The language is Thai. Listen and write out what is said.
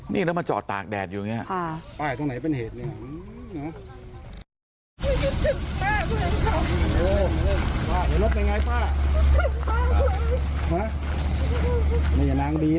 นี่ยังต้องมาจอดตากแดดอยู่อย่างนี้